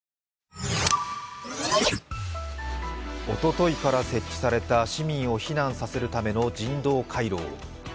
おとといから設置された、市民を避難させるための人道回廊。